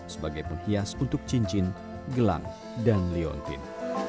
sebagai penghias untuk cincin gelang dan leontin